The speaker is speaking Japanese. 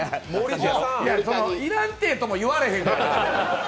いらんてとも言われへんから。